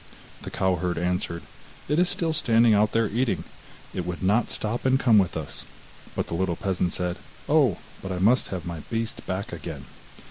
The cow herd answered: 'It is still standing out there eating. It would not stop and come with us.' But the little peasant said: 'Oh, but I must have my beast back again.